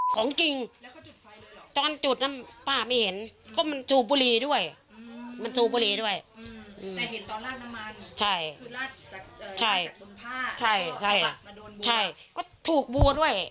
ก็ถูกบัวด้วย